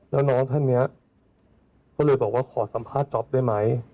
แล้วน้องท่านนี้ก็เลยบอกว่าขอสัมภาษณ์จ๊อปได้ไหม